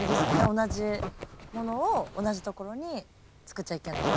同じものを同じところに作っちゃいけない。